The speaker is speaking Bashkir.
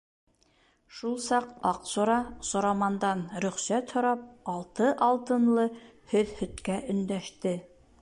Шул саҡ Аҡсура Сурамандан рөхсәт һорап, Алты Алтынлы һөҙһөткә өндәште.